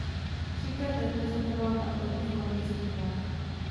Třikrát reprezentoval na letních olympijských hrách.